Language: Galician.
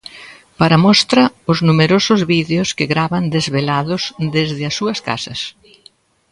Para mostra, os numerosos vídeos que gravan desvelados desde as súas casas.